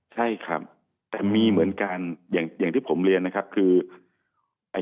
ใช่ครับแต่มีเหมือนกันอย่างที่ผมเรียนนะครับ